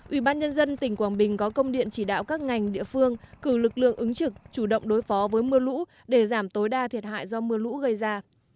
ubnd tỉnh quảng bình có công điện chỉ đạo các ngành địa phương cử lực lượng ứng trực chủ động đối phó với mưa lũ để giảm tối đa thiệt hại do mưa lũ gây ra